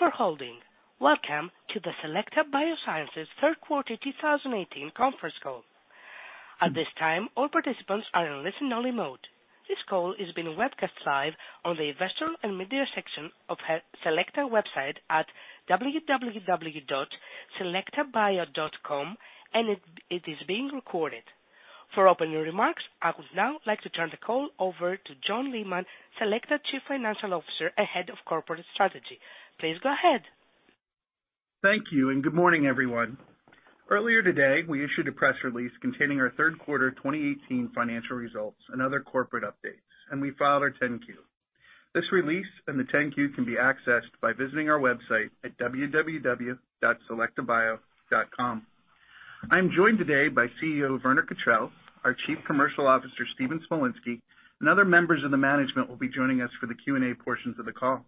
Thank you for holding. Welcome to the Selecta Biosciences third quarter 2018 conference call. At this time, all participants are in listen only mode. This call is being webcast live on the Investor and Media section of Selecta website at www.selectabio.com, and it is being recorded. For opening remarks, I would now like to turn the call over to John Leaman, Selecta Chief Financial Officer, Head of Corporate Strategy. Please go ahead. Thank you. Good morning, everyone. Earlier today, we issued a press release containing our third quarter 2018 financial results and other corporate updates, and we filed our 10-Q. This release and the 10-Q can be accessed by visiting our website at www.selectabio.com. I'm joined today by CEO Werner Cautreels, our Chief Commercial Officer Stephen Smolinski, and other members of the management will be joining us for the Q&A portions of the call.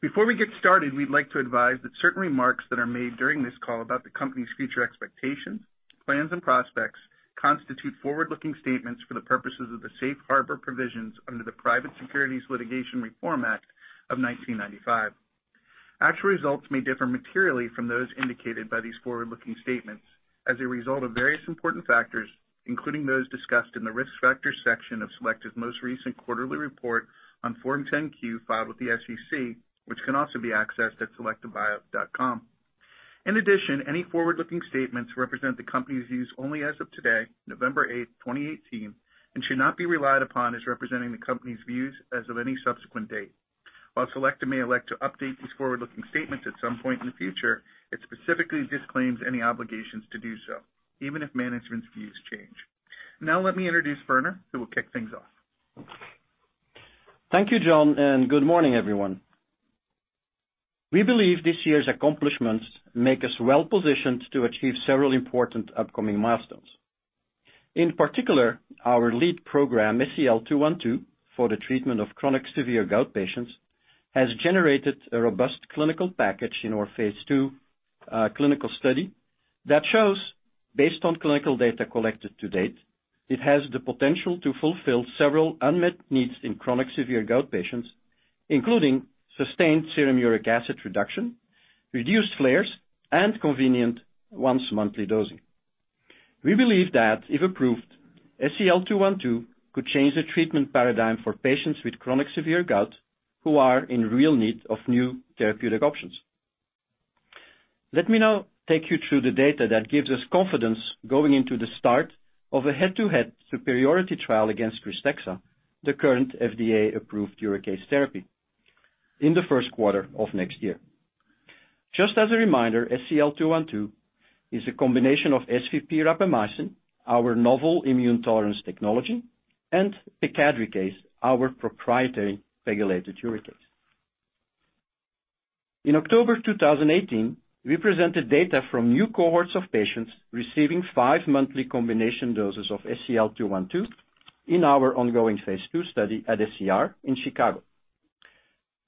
Before we get started, we'd like to advise that certain remarks that are made during this call about the company's future expectations, plans and prospects constitute forward-looking statements for the purposes of the safe harbor provisions under the Private Securities Litigation Reform Act of 1995. Actual results may differ materially from those indicated by these forward-looking statements as a result of various important factors, including those discussed in the Risk Factors section of Selecta's most recent quarterly report on Form 10-Q filed with the SEC, which can also be accessed at selectabio.com. In addition, any forward-looking statements represent the company's views only as of today, November 8th, 2018, and should not be relied upon as representing the company's views as of any subsequent date. While Selecta may elect to update these forward-looking statements at some point in the future, it specifically disclaims any obligations to do so, even if management's views change. Now, let me introduce Werner, who will kick things off. Thank you, John. Good morning, everyone. We believe this year's accomplishments make us well-positioned to achieve several important upcoming milestones. In particular, our lead program, SEL-212, for the treatment of chronic severe gout patients, has generated a robust clinical package in our phase II clinical study that shows, based on clinical data collected to date, it has the potential to fulfill several unmet needs in chronic severe gout patients, including sustained serum uric acid reduction, reduced flares, and convenient once-monthly dosing. We believe that, if approved, SEL-212 could change the treatment paradigm for patients with chronic severe gout who are in real need of new therapeutic options. Let me now take you through the data that gives us confidence going into the start of a head-to-head superiority trial against KRYSTEXXA, the current FDA-approved uricase therapy in the first quarter of next year. Just as a reminder, SEL-212 is a combination of SVP-Rapamycin, our novel immune tolerance technology, and pegloticase, our proprietary pegylated uricase. In October 2018, we presented data from new cohorts of patients receiving five monthly combination doses of SEL-212 in our ongoing phase II study at ACR in Chicago.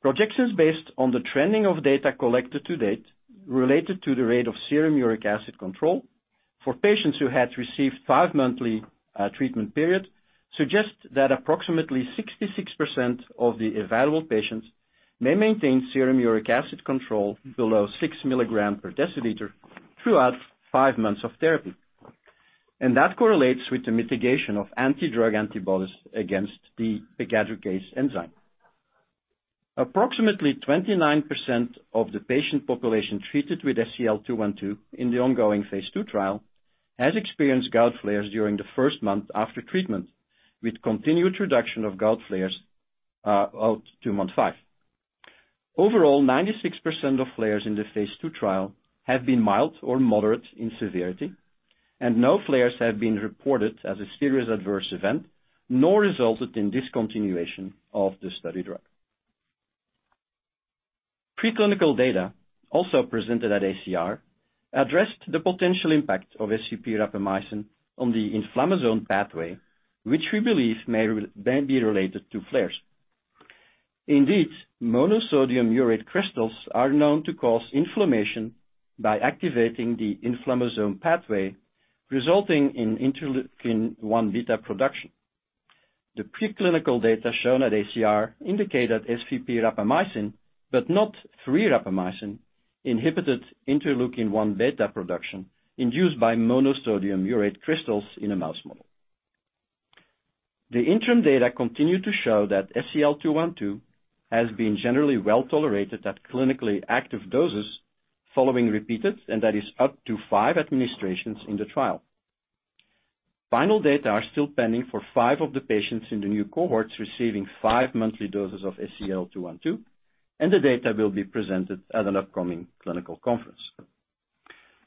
Projections based on the trending of data collected to date related to the rate of serum uric acid control for patients who had received five monthly treatment period suggest that approximately 66% of the evaluable patients may maintain serum uric acid control below six milligram per deciliter throughout five months of therapy. That correlates with the mitigation of anti-drug antibodies against the pegloticase enzyme. Approximately 29% of the patient population treated with SEL-212 in the ongoing phase II trial has experienced gout flares during the first month after treatment, with continued reduction of gout flares out to month five. Overall, 96% of flares in the phase II trial have been mild or moderate in severity, and no flares have been reported as a serious adverse event, nor resulted in discontinuation of the study drug. Preclinical data also presented at ACR addressed the potential impact of SVP-Rapamycin on the inflammasome pathway, which we believe may be related to flares. Indeed, monosodium urate crystals are known to cause inflammation by activating the inflammasome pathway, resulting in interleukin-1 beta production. The preclinical data shown at ACR indicate that SVP-Rapamycin, but not free rapamycin, inhibited interleukin-1 beta production induced by monosodium urate crystals in a mouse model. The interim data continue to show that SEL-212 has been generally well-tolerated at clinically active doses following repeated, and that is up to five administrations in the trial. Final data are still pending for five of the patients in the new cohorts receiving five monthly doses of SEL-212, and the data will be presented at an upcoming clinical conference.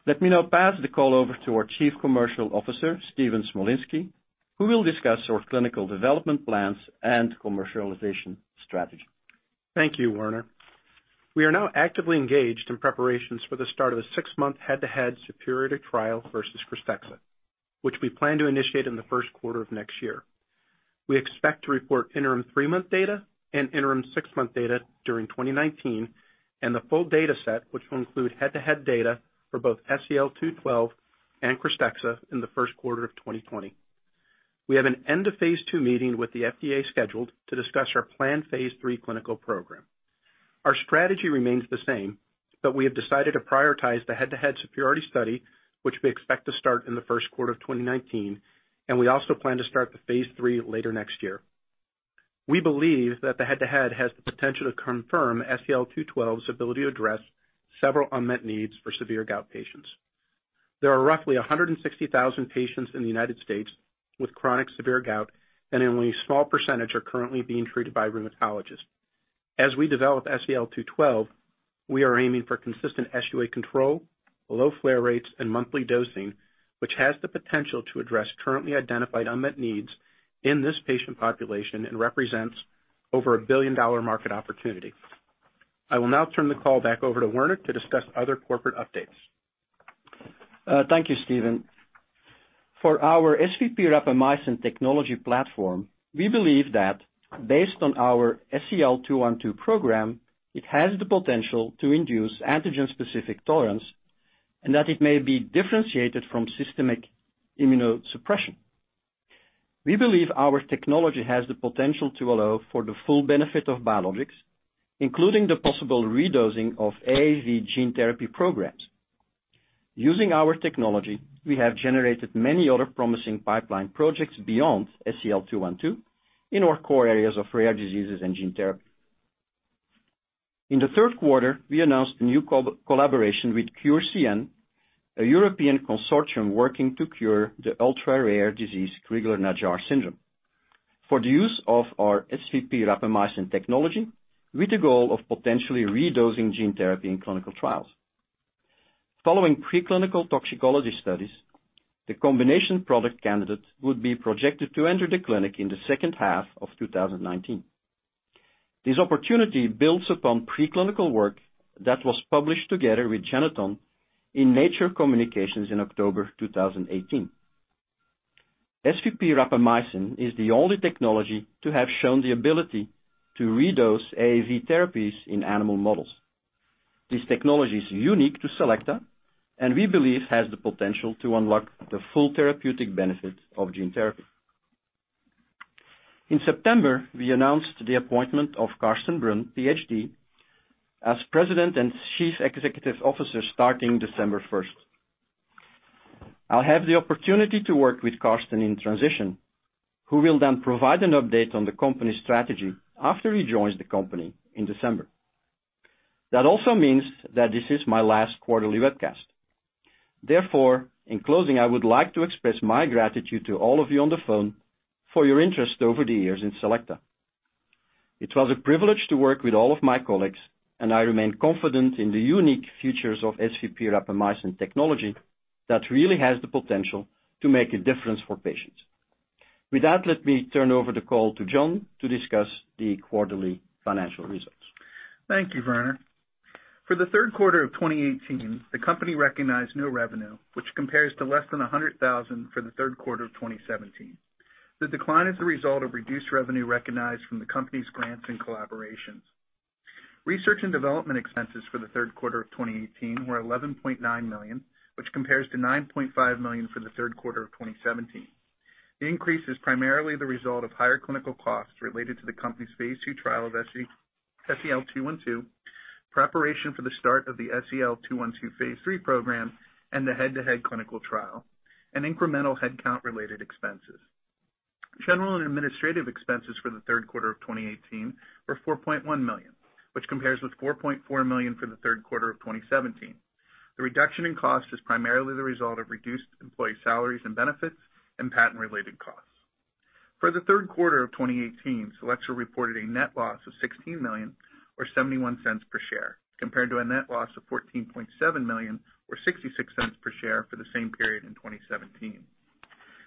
Let me now pass the call over to our Chief Commercial Officer, Stephen Smolinski, who will discuss our clinical development plans and commercialization strategy. Thank you, Werner. We are now actively engaged in preparations for the start of a six-month head-to-head superiority trial versus KRYSTEXXA, which we plan to initiate in the first quarter of next year. We expect to report interim three-month data and interim six-month data during 2019, and the full data set, which will include head-to-head data for both SEL-212 and KRYSTEXXA in the first quarter of 2020. We have an end of phase II meeting with the FDA scheduled to discuss our planned phase III clinical program. Our strategy remains the same, but we have decided to prioritize the head-to-head superiority study, which we expect to start in the first quarter of 2019, and we also plan to start the phase III later next year. We believe that the head-to-head has the potential to confirm SEL-212's ability to address several unmet needs for severe gout patients. There are roughly 160,000 patients in the United States with chronic severe gout and only a small percentage are currently being treated by a rheumatologist. As we develop SEL-212, we are aiming for consistent SUA control, low flare rates, and monthly dosing, which has the potential to address currently identified unmet needs in this patient population and represents over a billion-dollar market opportunity. I will now turn the call back over to Werner to discuss other corporate updates. Thank you, Stephen. For our SVP-Rapamycin technology platform, we believe that based on our SEL-212 program, it has the potential to induce antigen-specific tolerance and that it may be differentiated from systemic immunosuppression. We believe our technology has the potential to allow for the full benefit of biologics, including the possible redosing of AAV gene therapy programs. Using our technology, we have generated many other promising pipeline projects beyond SEL-212 in our core areas of rare diseases and gene therapy. In the third quarter, we announced a new collaboration with CureCN, a European consortium working to cure the ultra-rare disease Crigler-Najjar syndrome. For the use of our SVP-Rapamycin technology, with the goal of potentially redosing gene therapy in clinical trials. Following preclinical toxicology studies, the combination product candidate would be projected to enter the clinic in the second half of 2019. This opportunity builds upon preclinical work that was published together with Genethon in Nature Communications in October 2018. SVP-Rapamycin is the only technology to have shown the ability to redose AAV therapies in animal models. This technology is unique to Selecta and we believe has the potential to unlock the full therapeutic benefit of gene therapy. In September, we announced the appointment of Carsten Brunn, PhD, as President and Chief Executive Officer starting December 1st. I'll have the opportunity to work with Carsten in transition, who will then provide an update on the company's strategy after he joins the company in December. That also means that this is my last quarterly webcast. Therefore, in closing, I would like to express my gratitude to all of you on the phone for your interest over the years in Selecta. It was a privilege to work with all of my colleagues. I remain confident in the unique futures of SVP-Rapamycin technology that really has the potential to make a difference for patients. With that, let me turn over the call to John to discuss the quarterly financial results. Thank you, Werner. For the third quarter of 2018, the company recognized no revenue, which compares to less than $100,000 for the third quarter of 2017. The decline is the result of reduced revenue recognized from the company's grants and collaborations. Research and development expenses for the third quarter of 2018 were $11.9 million, which compares to $9.5 million for the third quarter of 2017. The increase is primarily the result of higher clinical costs related to the company's phase II trial of SEL-212, preparation for the start of the SEL-212 phase III program, and the head-to-head clinical trial, and incremental headcount-related expenses. General and administrative expenses for the third quarter of 2018 were $4.1 million, which compares with $4.4 million for the third quarter of 2017. The reduction in cost is primarily the result of reduced employee salaries and benefits and patent-related costs. For the third quarter of 2018, Selecta reported a net loss of $16 million or $0.71 per share, compared to a net loss of $14.7 million or $0.66 per share for the same period in 2017.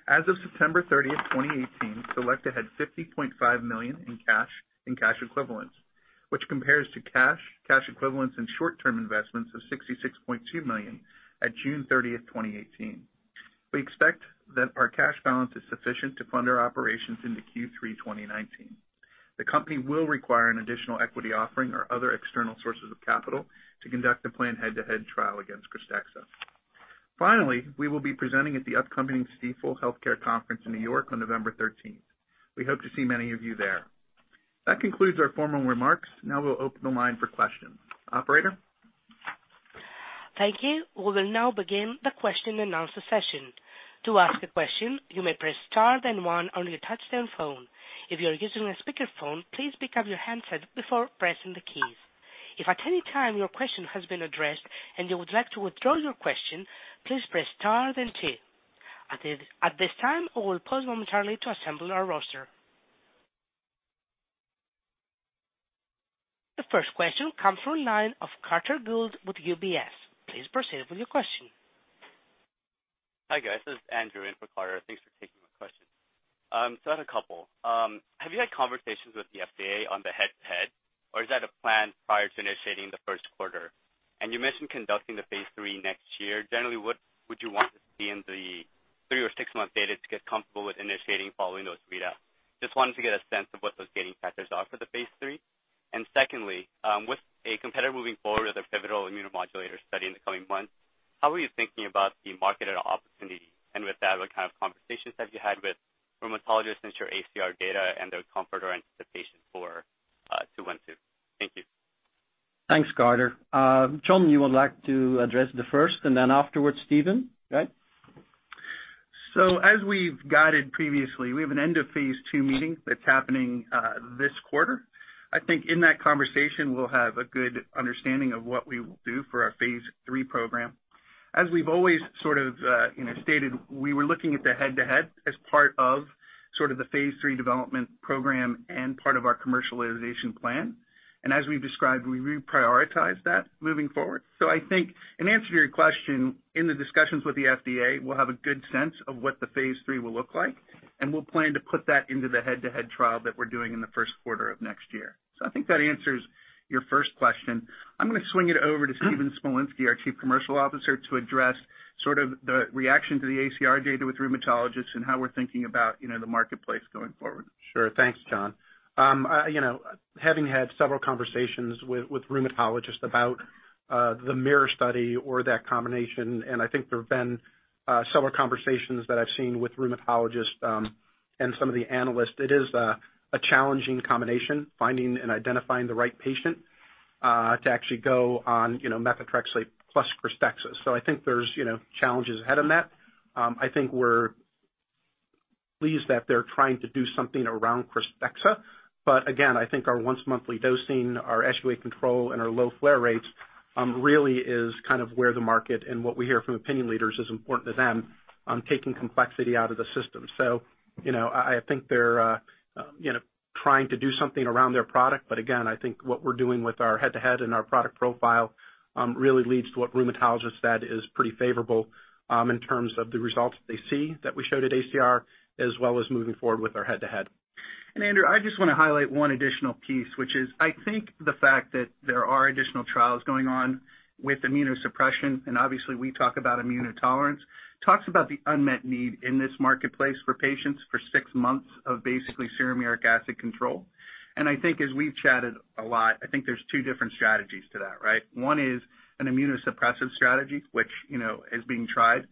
As of September 30th, 2018, Selecta had $50.5 million in cash and cash equivalents, which compares to cash equivalents, and short-term investments of $66.2 million at June 30th, 2018. We expect that our cash balance is sufficient to fund our operations into Q3 2019. The company will require an additional equity offering or other external sources of capital to conduct a planned head-to-head trial against KRYSTEXXA. Finally, we will be presenting at the upcoming Stifel Healthcare Conference in New York on November 13th. We hope to see many of you there. That concludes our formal remarks. We'll open the line for questions. Operator? Thank you. We will now begin the question and answer session. To ask a question, you may press star then one on your touchtone phone. If you are using a speakerphone, please pick up your handset before pressing the keys. If at any time your question has been addressed and you would like to withdraw your question, please press star then two. At this time, we will pause momentarily to assemble our roster. The first question comes from the line of Carter Gould with UBS. Please proceed with your question. Hi, guys. This is Andrew in for Carter. Thanks for taking my question. I have a couple. Have you had conversations with the FDA on the head-to-head, or is that a plan prior to initiating the first quarter? You mentioned conducting the phase III next year. Generally, what would you want to see in the three or six-month data to get comfortable with initiating following those readouts? Just wanted to get a sense of what those gating factors are for the phase III. Secondly, with a competitor moving forward with their pivotal immunomodulator study in the coming months, how are you thinking about the market opportunity? With that, what kind of conversations have you had with rheumatologists since your ACR data and their comfort or anticipation for SEL-212? Thank you. Thanks, Carter. John, you would like to address the first, and then afterwards, Stephen, right? As we've guided previously, we have an end of phase II meeting that's happening this quarter. I think in that conversation, we'll have a good understanding of what we will do for our phase III program. As we've always stated, we were looking at the head-to-head as part of the phase III development program and part of our commercialization plan. As we've described, we reprioritized that moving forward. I think in answer to your question, in the discussions with the FDA, we'll have a good sense of what the phase III will look like, and we'll plan to put that into the head-to-head trial that we're doing in the first quarter of next year. I think that answers your first question. I'm going to swing it over to Stephen Smolinski, our Chief Commercial Officer, to address the reaction to the ACR data with rheumatologists and how we're thinking about the marketplace going forward. Sure. Thanks, John. Having had several conversations with rheumatologists about the MIRROR trial or that combination, I think there have been several conversations that I've seen with rheumatologists and some of the analysts. It is a challenging combination, finding and identifying the right patient to actually go on methotrexate plus KRYSTEXXA. I think there's challenges ahead of that. I think we're pleased that they're trying to do something around KRYSTEXXA. Again, I think our once monthly dosing, our SUA control, and our low flare rates really is where the market and what we hear from opinion leaders is important to them on taking complexity out of the system. I think they're trying to do something around their product. Again, I think what we're doing with our head-to-head and our product profile really leads to what rheumatologists said is pretty favorable in terms of the results they see that we showed at ACR, as well as moving forward with our head-to-head. Andrew, I just want to highlight one additional piece, which is I think the fact that there are additional trials going on with immunosuppression, obviously we talk about immunotolerance, talks about the unmet need in this marketplace for patients for six months of basically serum uric acid control. I think as we've chatted a lot, I think there's two different strategies to that, right? One is an immunosuppressive strategy, which is being tried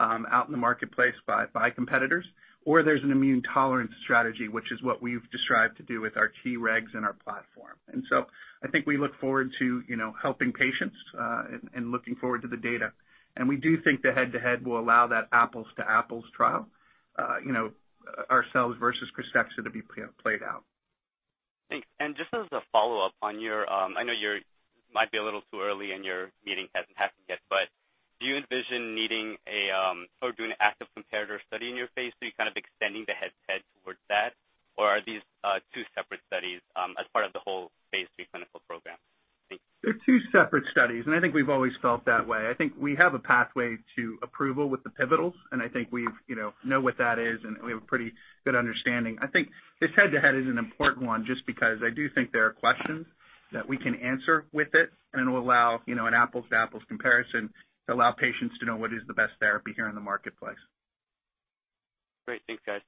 out in the marketplace by competitors, or there's an immune tolerance strategy, which is what we've strived to do with our Tregs and our platform. I think we look forward to helping patients, and looking forward to the data. We do think the head-to-head will allow that apples to apples trial, ourselves versus KRYSTEXXA to be played out. Thanks. Just as a follow-up on your I know it might be a little too early and your meeting hasn't happened yet, but do you envision needing or doing an active comparator study in your phase III, kind of extending the head-to-head towards that? Are these two separate studies as part of the whole phase III clinical program? Thanks. They're two separate studies, and I think we've always felt that way. I think we have a pathway to approval with the pivotals, and I think we know what that is, and we have a pretty good understanding. I think this head-to-head is an important one just because I do think there are questions that we can answer with it, and it will allow an apples to apples comparison to allow patients to know what is the best therapy here in the marketplace. Great. Thanks, guys.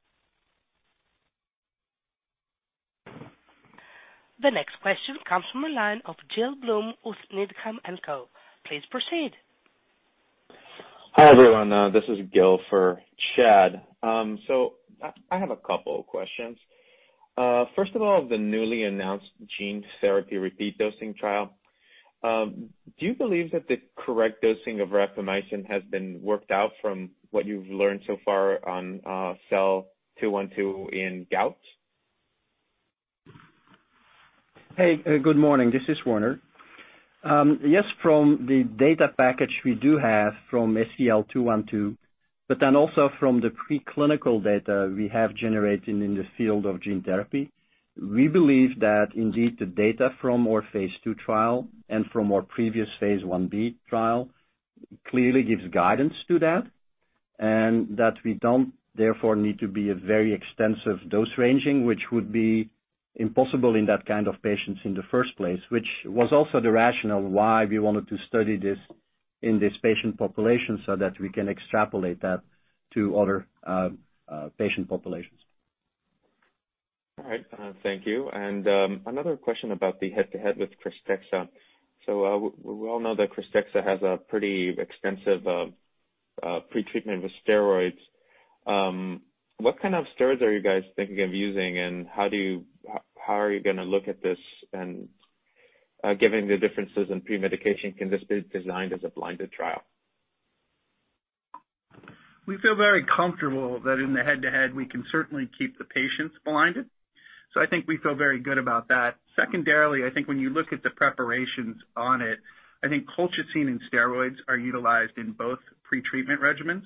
The next question comes from the line of Gil Blum with Needham & Company. Please proceed. Hi, everyone. This is Gil for Chad. I have a couple of questions. First of all, the newly announced gene therapy repeat dosing trial. Do you believe that the correct dosing of Rapamycin has been worked out from what you've learned so far on SEL-212 in gout? Good morning. This is Werner. From the data package we do have from SEL-212, also from the preclinical data we have generated in the field of gene therapy. We believe that indeed the data from our phase II trial and from our previous phase I-B trial clearly gives guidance to that, we don't therefore need to be a very extensive dose ranging, which would be impossible in that kind of patients in the first place, which was also the rationale why we wanted to study this in this patient population so that we can extrapolate that to other patient populations. All right. Thank you. Another question about the head-to-head with KRYSTEXXA. We all know that KRYSTEXXA has a pretty extensive pre-treatment with steroids. What kind of steroids are you guys thinking of using, and how are you going to look at this? Given the differences in pre-medication, can this be designed as a blinded trial? We feel very comfortable that in the head-to-head, we can certainly keep the patients blinded. I think we feel very good about that. Secondarily, I think when you look at the preparations on it, I think colchicine and steroids are utilized in both pre-treatment regimens.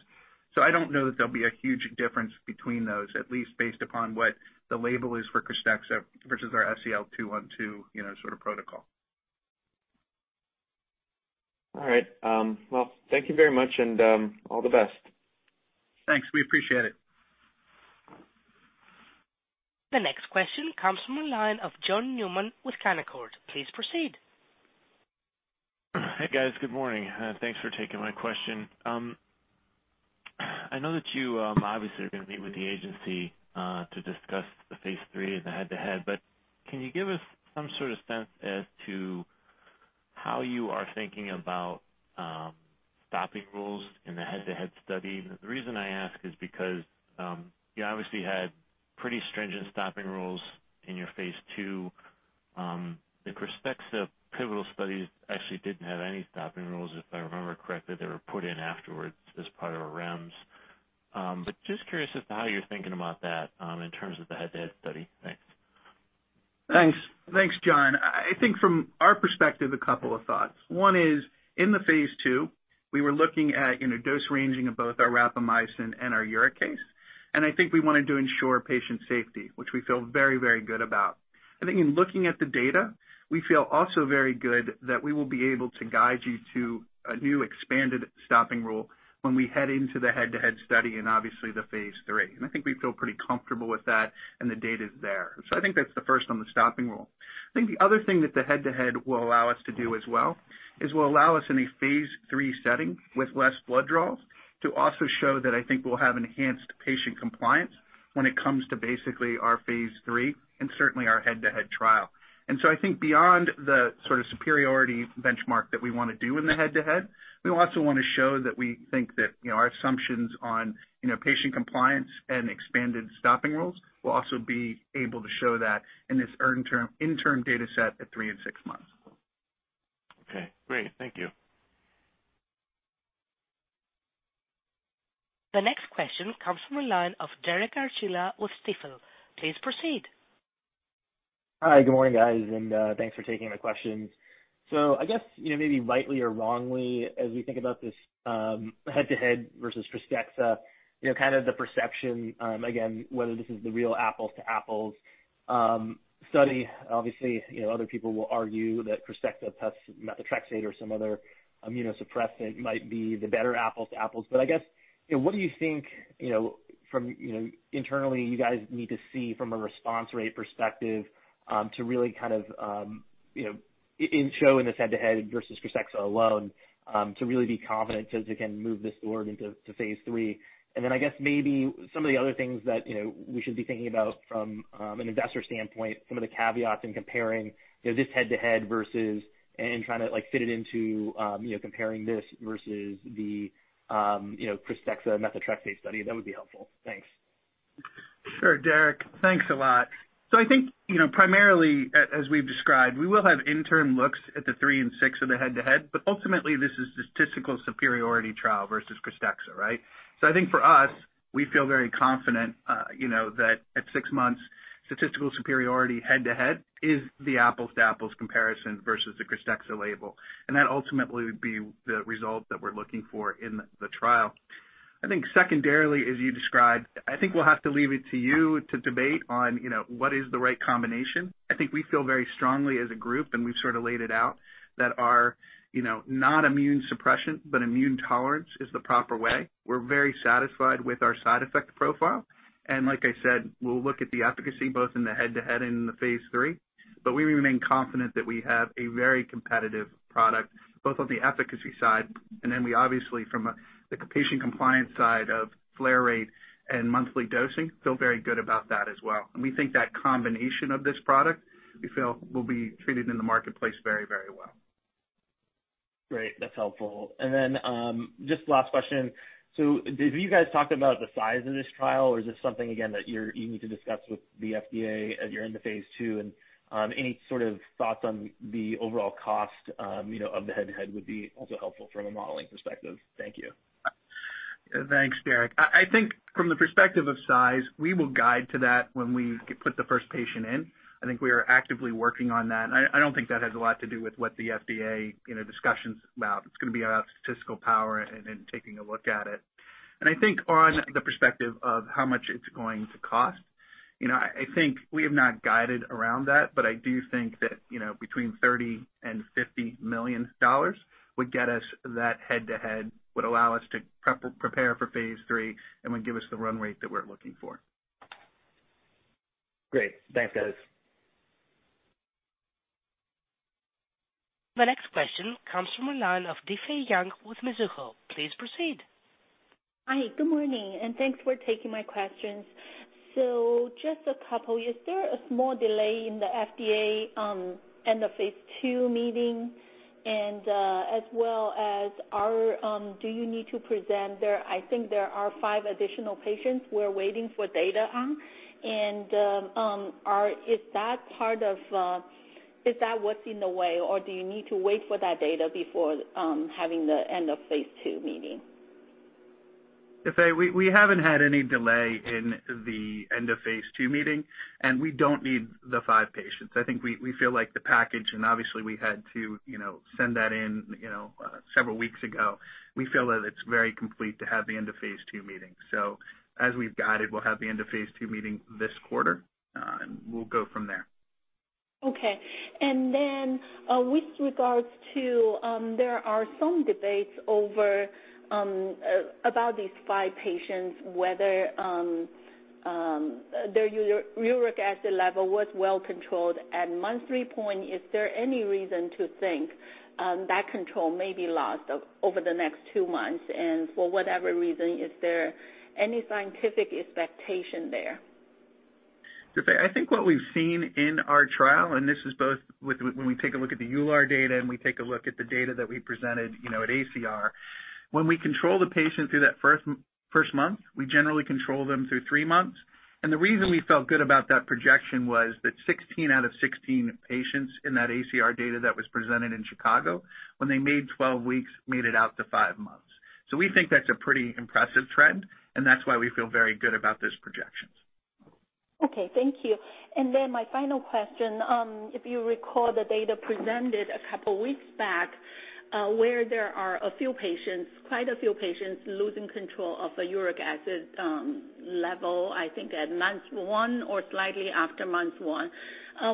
I don't know that there'll be a huge difference between those, at least based upon what the label is for KRYSTEXXA versus our SEL-212 protocol. All right. Well, thank you very much, and all the best. Thanks. We appreciate it. The next question comes from the line of John Newman with Canaccord. Please proceed. Hey guys, good morning. Thanks for taking my question. I know that you obviously are going to meet with the agency to discuss the phase III and the head-to-head, but can you give us some sort of sense as to how you are thinking about stopping rules in the head-to-head study? The reason I ask is because you obviously had pretty stringent stopping rules in your phase II. The KRYSTEXXA pivotal studies actually didn't have any stopping rules, if I remember correctly. They were put in afterwards as part of our REMS. Just curious as to how you're thinking about that in terms of the head-to-head study. Thanks. Thanks, John. I think from our perspective, a couple of thoughts. One is in the phase II, we were looking at dose ranging of both our rapamycin and our uricase. I think we wanted to ensure patient safety, which we feel very good about. I think in looking at the data, we feel also very good that we will be able to guide you to a new expanded stopping rule when we head into the head-to-head study and obviously the phase III. I think we feel pretty comfortable with that and the data's there. I think that's the first on the stopping rule. The other thing that the head-to-head will allow us to do as well is will allow us in a phase III setting with less blood draws to also show that we'll have enhanced patient compliance when it comes to basically our phase III and certainly our head-to-head trial. Beyond the sort of superiority benchmark that we want to do in the head-to-head, we also want to show that we think that our assumptions on patient compliance and expanded stopping rules will also be able to show that in this interim data set at 3 and 6 months. Okay, great. Thank you. The next question comes from the line of Derek Archila with Stifel. Please proceed. Hi, good morning, guys, and thanks for taking my questions. I guess, maybe rightly or wrongly, as we think about this head-to-head versus KRYSTEXXA, kind of the perception, again, whether this is the real apples to apples study, obviously, other people will argue that KRYSTEXXA plus methotrexate or some other immunosuppressant might be the better apples to apples. I guess, what do you think internally you guys need to see from a response rate perspective to really show in this head-to-head versus KRYSTEXXA alone to really be confident to, again, move this forward into phase III? I guess maybe some of the other things that we should be thinking about from an investor standpoint, some of the caveats in comparing this head-to-head versus, and trying to fit it into comparing this versus the KRYSTEXXA methotrexate study, that would be helpful. Thanks. Sure, Derek. Thanks a lot. I think, primarily as we've described, we will have interim looks at the three and six of the head-to-head, but ultimately this is statistical superiority trial versus KRYSTEXXA, right? I think for us, we feel very confident that at six months, statistical superiority head-to-head is the apples to apples comparison versus the KRYSTEXXA label, and that ultimately would be the result that we're looking for in the trial. I think secondarily, as you described, I think we'll have to leave it to you to debate on what is the right combination. I think we feel very strongly as a group, and we've sort of laid it out that our not immune suppression, but immune tolerance is the proper way. We're very satisfied with our side effect profile, and like I said, we'll look at the efficacy both in the head-to-head and in the phase III. We remain confident that we have a very competitive product both on the efficacy side and then we obviously from a the patient compliance side of flare rate and monthly dosing, feel very good about that as well. We think that combination of this product, we feel will be treated in the marketplace very well. Great. That's helpful. Just last question. Did you guys talk about the size of this trial, or is this something again that you need to discuss with the FDA as you're in the phase II, and any sort of thoughts on the overall cost of the head-to-head would be also helpful from a modeling perspective. Thank you. Thanks, Derek. I think from the perspective of size, we will guide to that when we put the first patient in. I think we are actively working on that, and I don't think that has a lot to do with what the FDA discussion's about. It's going to be about statistical power and then taking a look at it. I think on the perspective of how much it's going to cost, I think we have not guided around that, but I do think that between $30 million and $50 million would get us that head-to-head, would allow us to prepare for phase III and would give us the run rate that we're looking for. Great. Thanks guys. The next question comes from the line of Difei Yang with Mizuho. Please proceed. Hi, good morning, thanks for taking my questions. Just a couple. Is there a small delay in the FDA end of phase II meeting as well as do you need to present there? I think there are five additional patients we're waiting for data on and is that what's in the way, or do you need to wait for that data before having the end of phase II meeting? Difei, we haven't had any delay in the end of phase II meeting, we don't need the five patients. I think we feel like the package, obviously we had to send that in several weeks ago. We feel that it's very complete to have the end of phase II meeting. As we've guided, we'll have the end of phase II meeting this quarter, we'll go from there. Okay. With regards to there are some debates about these five patients whether their uric acid level was well controlled at month three point. Is there any reason to think that control may be lost over the next two months? For whatever reason, is there any scientific expectation there? Difei, I think what we've seen in our trial, and this is both when we take a look at the EULAR data and we take a look at the data that we presented at ACR. When we control the patient through that first month, we generally control them through three months. The reason we felt good about that projection was that 16 out of 16 patients in that ACR data that was presented in Chicago, when they made 12 weeks, made it out to five months. We think that's a pretty impressive trend, and that's why we feel very good about those projections. Okay, thank you. My final question. If you recall the data presented a couple of weeks back, where there are a few patients, quite a few patients, losing control of the uric acid level, I think at month one or slightly after month one.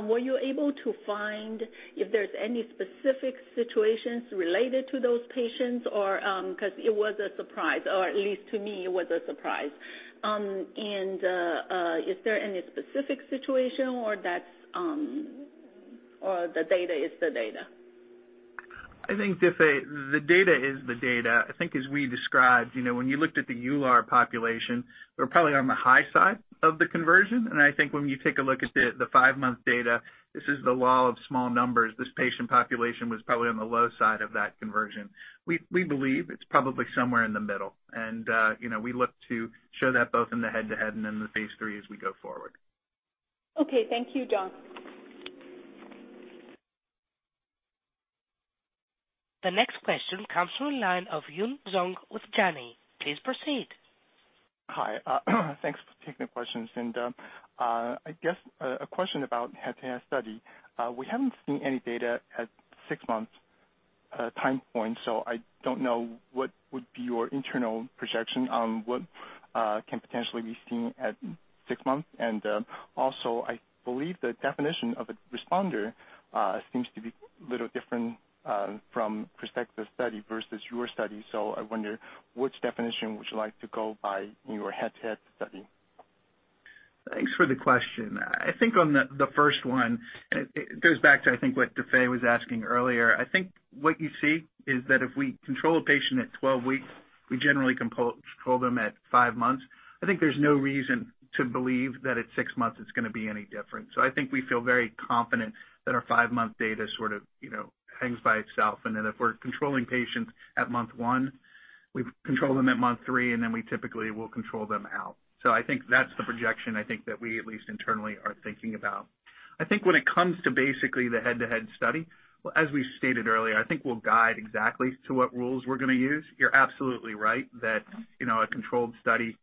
Were you able to find if there's any specific situations related to those patients? Because it was a surprise. At least to me, it was a surprise. Is there any specific situation, or the data is the data? I think, Difei, the data is the data. I think as we described, when you looked at the EULAR population, they're probably on the high side of the conversion. I think when you take a look at the five-month data, this is the law of small numbers. This patient population was probably on the low side of that conversion. We believe it's probably somewhere in the middle. We look to show that both in the head-to-head and in the phase III as we go forward. Okay. Thank you, John. The next question comes from the line of Yun Zhong with Janney. Please proceed. Hi. Thanks for taking the questions. I guess, a question about head-to-head study. We haven't seen any data at six months time point, so I don't know what would be your internal projection on what can potentially be seen at six months. Also, I believe the definition of a responder seems to be a little different from KRYSTEXXA study versus your study. I wonder which definition would you like to go by in your head-to-head study? Thanks for the question. I think on the first one, it goes back to I think what Difei was asking earlier. I think what you see is that if we control a patient at 12 weeks, we generally control them at five months. I think there's no reason to believe that at six months it's going to be any different. I think we feel very confident that our five-month data sort of hangs by itself. Then if we're controlling patients at month one, we control them at month three, and then we typically will control them out. I think that's the projection I think that we, at least internally, are thinking about. I think when it comes to basically the head-to-head study, as we stated earlier, I think we'll guide exactly to what rules we're going to use. You're absolutely right that a controlled study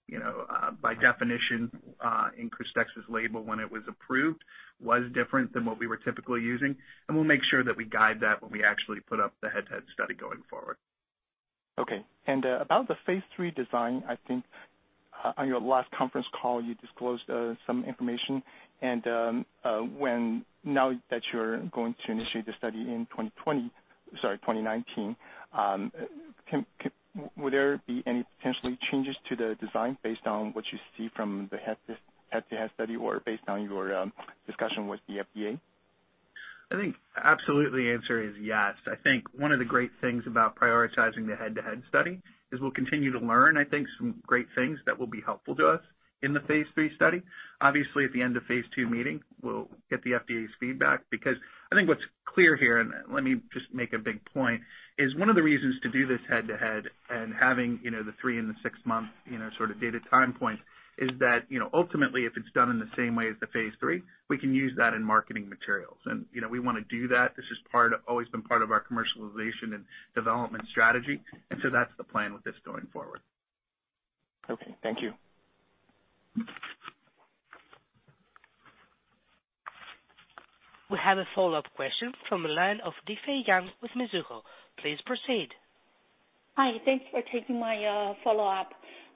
by definition in KRYSTEXXA's label when it was approved was different than what we were typically using. We'll make sure that we guide that when we actually put up the head-to-head study going forward. Okay. About the phase III design, I think on your last conference call you disclosed some information. Now that you're going to initiate the study in 2020, sorry, 2019, will there be any potential changes to the design based on what you see from the head-to-head study or based on your discussion with the FDA? I think absolutely, the answer is yes. I think one of the great things about prioritizing the head-to-head study is we'll continue to learn, I think, some great things that will be helpful to us in the phase III study. Obviously, at the end of phase II meeting, we'll get the FDA's feedback. I think what's clear here, and let me just make a big point, is one of the reasons to do this head-to-head and having the three and the six month sort of data time points is that ultimately, if it's done in the same way as the phase III, we can use that in marketing materials. We want to do that. This has always been part of our commercialization and development strategy. That's the plan with this going forward. Okay. Thank you. We have a follow-up question from the line of Difei Yang with Mizuho. Please proceed. Hi. Thanks for taking my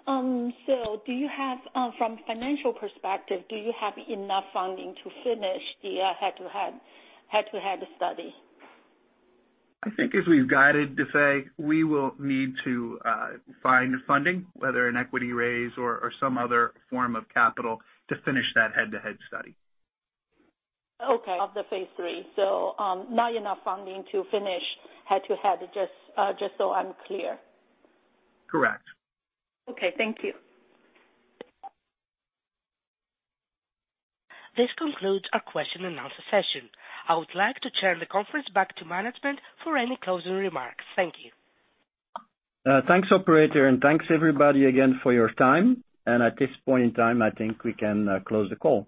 follow-up. From financial perspective, do you have enough funding to finish the head-to-head study? I think as we've guided, Difei, we will need to find funding, whether an equity raise or some other form of capital to finish that head-to-head study. Okay. Of the phase III. Not enough funding to finish head-to-head, just so I'm clear. Correct. Okay, thank you. This concludes our question and answer session. I would like to turn the conference back to management for any closing remarks. Thank you. Thanks, operator, and thanks everybody again for your time. At this point in time, I think we can close the call.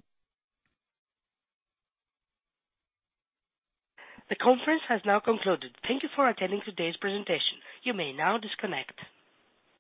The conference has now concluded. Thank you for attending today's presentation. You may now disconnect.